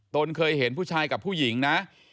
ตนเคยเห็นผู้ชายกับผู้หญิงนะ